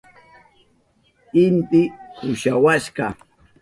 Inti kusawashka.